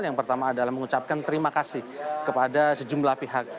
yang pertama adalah mengucapkan terima kasih kepada sejumlah pihak